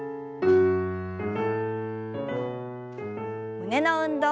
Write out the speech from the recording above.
胸の運動。